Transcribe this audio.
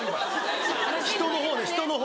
「人」の方ね「人」の方。